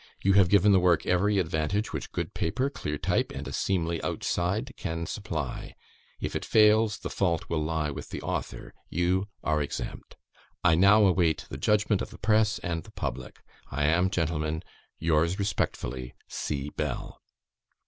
You have given the work every advantage which good paper, clear type, and a seemly outside can supply; if it fails, the fault will lie with the author, you are exempt. "I now await the judgment of the press and the public. I am, Gentlemen, yours respectfully, C. BELL."